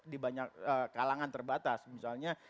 di banyak kalangan terbatas misalnya